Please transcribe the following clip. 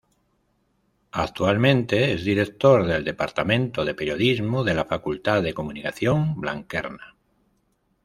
Actualmente es director del departamento de Periodismo de la Facultad de Comunicación Blanquerna.